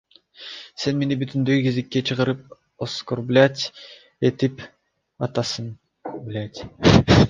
Сен мени бүтүндөй гезитке чыгарып оскорблять этип атасың, блядь.